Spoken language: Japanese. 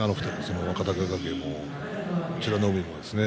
若隆景も美ノ海もですね。